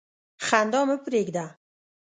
خندا مه پرېږده.